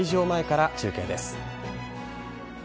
前から中継です。